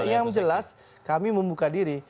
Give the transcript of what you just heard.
yang jelas kami membuka diri